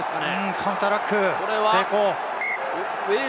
カウンターラック、成功。